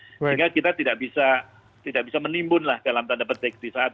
sehingga kita tidak bisa menimbunlah dalam tanda perdeksaan